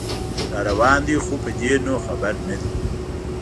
راروان دی خو په دې نو خبر نه دی